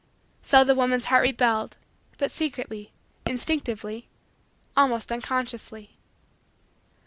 So the woman's heart rebelled, but secretly, instinctively, almost unconsciously.